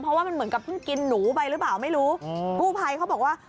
เพราะว่าเหมือนเค้ากินหนูไปภูไปเขาบอกว่า